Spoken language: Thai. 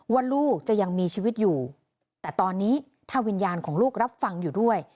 ว่าลูกจะยังมีชีวิตอยู่แต่ตอนนี้ถ้าวิญญาณของลูกรับฟังอยู่ด้วย